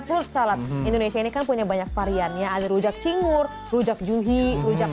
fruit salad indonesia ini kan punya banyak variannya ada rujak cingur rujak juhi rujak